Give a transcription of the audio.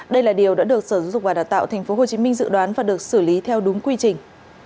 đây là điều đã được sở giáo dục và đào tạo tp hcm dự đoán và được xử lý theo đúng quy trình